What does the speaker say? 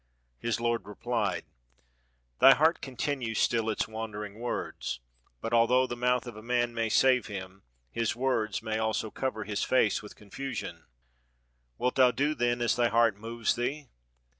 His lord replied, "Thy heart contmues still its wan dering words! but although the mouth of a man may save him, his words may also cover his face with con fusion. Wilt thou do then as thy heart moves thee?